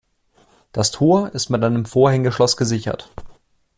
Das Tor ist mit einem Vorhängeschloss gesichert.